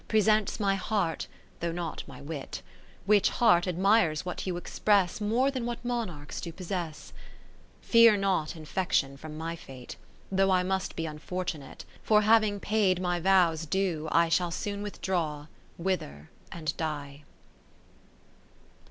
Presents my heart, though not my wit ; Which heart admires what you express, More than what Monarchs do possess. 40 XI Fear not infection from my Fate, Though I must be unfortunate. For having paid my vows due, I Shall soon withdraw, wither and die.